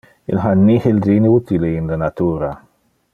Il ha nihil de inutile in le natura.